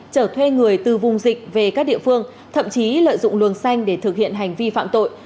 chở thuê người từ vùng dịch về các địa phương thậm chí lợi dụng luồng xanh để thực hiện hành vi phạm tội